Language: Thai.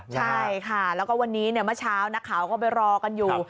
ใช่ค่ะแล้วก็วันนี้เมื่อเช้านักข่าวก็ไปรอกันอยู่